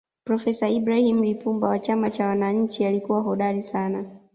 profesa ibrahim lipumba wa chama cha wananchi alikuwa hodari sana